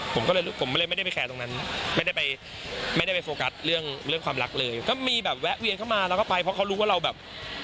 ผมก็เลยผมไม่ได้ไปแคร์ตรงนั้นไม่ได้ไปไม่ได้ไปโฟกัสเรื่องเรื่องความรักเลยก็มีแบบแวะเวียนเข้ามาแล้วก็ไปเพราะเขารู้ว่าเราแบบ